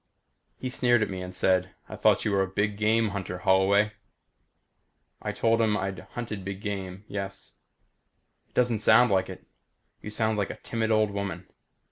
He sneered at me and said, "I thought you were a big game hunter, Holloway?" I told him I'd hunted big game yes. "It doesn't sound like it. You sound like a timid old woman.